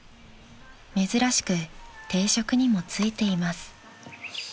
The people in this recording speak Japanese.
［珍しく定職にも就いています］